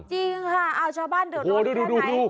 จริงค่ะเอาชาวบ้านเดือดร้อนแค่ไหนโอ้โหดูดูดู